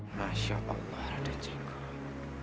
masya allah raja jinggong